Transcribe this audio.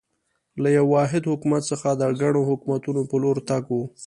له یوه واحد حکومت څخه د ګڼو حکومتونو په لور تګ و.